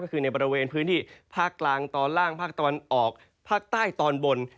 ก็คือในบริเวณพื้นที่ภาคกลางตอนล่างภาคตะวันออกภาคใต้ตอนบน